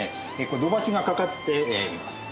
土橋がかかっています。